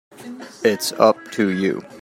It's up to you.